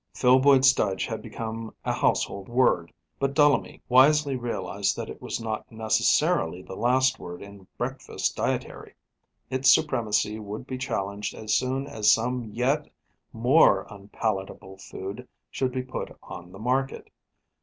Filboid Studge had become a household word, but Dullamy wisely realized that it was not necessarily the last word in breakfast dietary; its supremacy would be challenged as soon as some yet more unpalatable food should be put on the market.